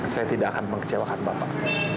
saya tidak akan mengecewakan bapak